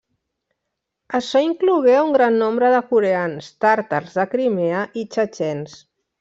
Açò inclogué a un gran nombre de coreans, tàrtars de Crimea, i Txetxens.